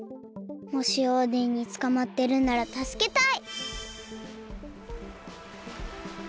もしオーデンにつかまってるならたすけたい。